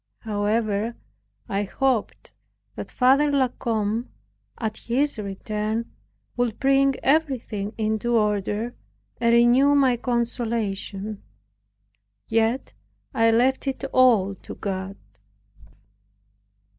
However, I hoped that Father La Combe, at his return, would bring everything into order, and renew my consolation. Yet I left it all to God.